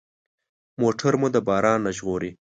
موټر مو د باران نه ژغوري.